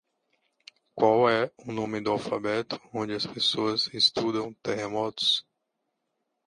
Qual é o nome do alfabeto onde as pessoas estudam terremotos?